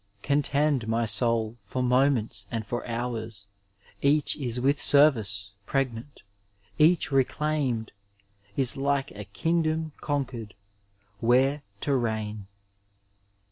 Contend, my soul, for moments and for hours ; Each is with service pregnant, each reclaimed Is like a Kingdom conquered, where to reign.